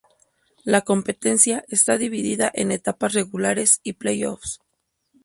La competencia está dividida en etapas regulares y play-offs.